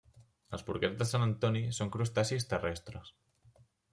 Els porquets de sant Antoni són crustacis terrestres.